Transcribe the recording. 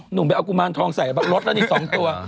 หนูไปเอากูมารทองใส่แบบรดหรือเนี่ย๒ตัว